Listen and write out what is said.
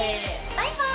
バイバイ。